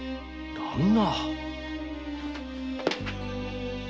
旦那。